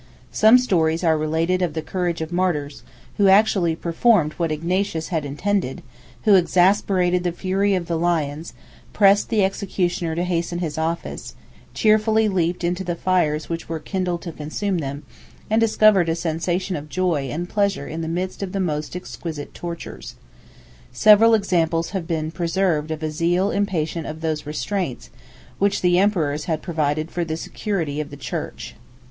93 Some stories are related of the courage of martyrs, who actually performed what Ignatius had intended; who exasperated the fury of the lions, pressed the executioner to hasten his office, cheerfully leaped into the fires which were kindled to consume them, and discovered a sensation of joy and pleasure in the midst of the most exquisite tortures. Several examples have been preserved of a zeal impatient of those restraints which the emperors had provided for the security of the church.